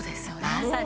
まさに。